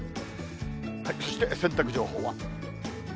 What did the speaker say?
そして洗濯情報は。